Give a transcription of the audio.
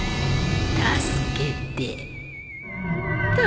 助けて。